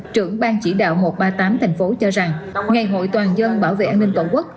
trưởng ban chỉ đạo một trăm ba mươi tám thành phố cho rằng ngày hội toàn dân bảo vệ an ninh tổ quốc